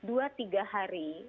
itu dua tiga hari